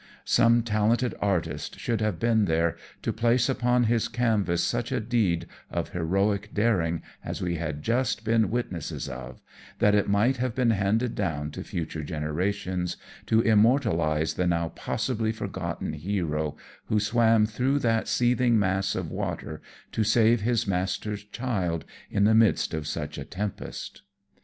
Some talented artist should have been there, to place upon his canvas such a deed of heroic daring as we had just been witnesses of, that it might have been handed down to future generations to immortalize the now possibly forgotten hero, who swam through that seething mass of water to save his master's child in the midst of such a tempest.